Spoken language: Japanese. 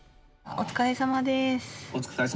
「お疲れさまです」。